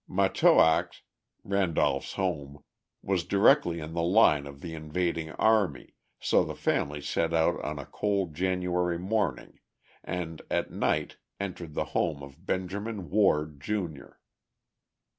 Matoax, Randolph's home, was directly in the line of the invading army, so the family set out on a cold January morning, and at night entered the home of Benjamin Ward, Jr.